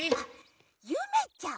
ゆめちゃん！